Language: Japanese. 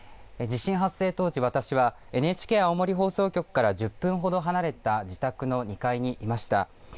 地震発生当時私はＮＨＫ青森放送局から１０分ほど離れた自宅の２階にいました。